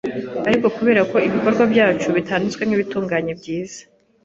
ariko kubera ko ibikorwa byacu bitanditswe nk’ibitunganye, byiza,